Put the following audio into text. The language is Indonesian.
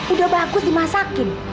udah bagus dimasakin